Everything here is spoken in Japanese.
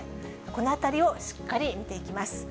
このあたりをしっかり見ていきます。